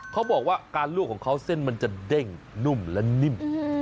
เขาบอกว่าการลวกของเขาเส้นมันจะเด้งนุ่มและนิ่ม